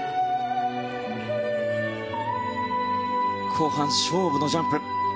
後半、勝負のジャンプ。